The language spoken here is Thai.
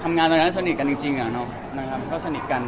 ทำงานตอนนั้นชงสนิทกันจริง